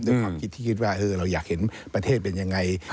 ด้วยความคิดที่คิดว่าเราอยากเห็นประเทศเป็นยังไง